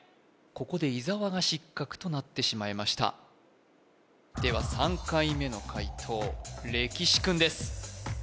ここで伊沢が失格となってしまいましたでは３回目の解答れきしクンです